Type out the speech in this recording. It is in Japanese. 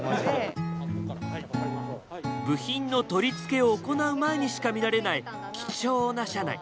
部品の取り付けを行う前にしか見られない貴重な車内。